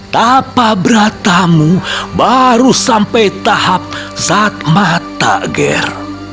tahap pabratamu baru sampai tahap zatmata ger